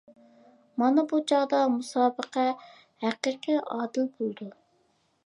مانا بۇ چاغدا مۇسابىقە ھەقىقىي ئادىل بولىدۇ.